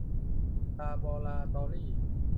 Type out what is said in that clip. ลาบอราตอรี่